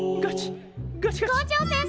校長先生！